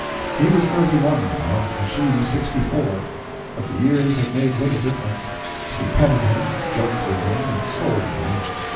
He was thirty one now, and she sixty four, but the years had made little difference. She petted him, joked with him, and scolded him.